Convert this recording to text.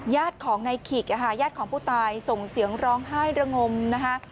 ญาติของนายขิกญาติของผู้ตายส่งเสียงร้องไห้ระงมนะคะ